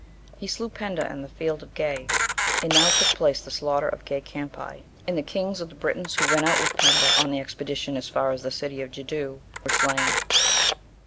(5) He slew Penda in the field of Gai, and now took place the slaughter of Gai Campi, and the kings of the Britons, who went out with Penda on the expedition as far as the city of Judeu, were slain.